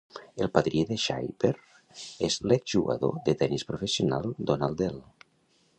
El padrí de Shriver és l'ex-jugador de tenis professional Donald Dell.